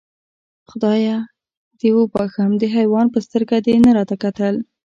خدایکه دې وبښم، د حیوان په سترګه دې نه راته کتل.